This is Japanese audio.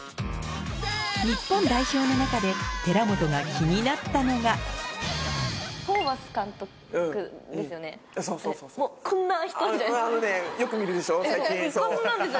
日本代表の中で寺本が気になったのがこんな人じゃないですか。